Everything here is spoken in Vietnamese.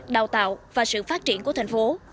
đào tạo và sự phát triển của thành phố